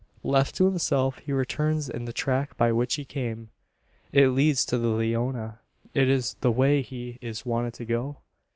Left to himself, he returns in the track by which he came. It leads to the Leona. Is it the way he is wanted to go?